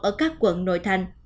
ở các quận nội thành